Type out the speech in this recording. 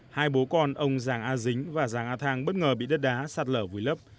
hai bố con ông giàng a dính và giàng a thang bất ngờ bị đất đá sạt lở vùi lấp